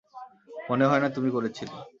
মনে হয় না তুমি করেছিলে।